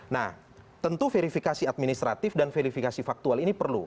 nah tentu verifikasi administratif dan verifikasi faktual ini perlu